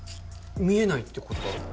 見えないってことだろ？